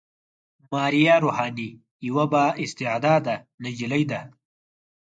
ماريه روحاني يوه با استعداده نجلۍ ده.